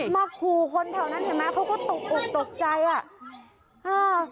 มาขู่คนแถวนั้นเห็นไหมเขาก็ตกอกตกใจอ่ะอ่า